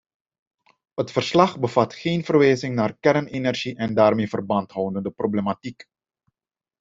Het verslag bevat geen verwijzing naar kernenergie en de daarmee verband houdende problematiek.